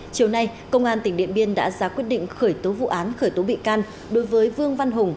chiều nay công an tỉnh điện biên đã ra quyết định khởi tố vụ án khởi tố bị can đối với vương văn hùng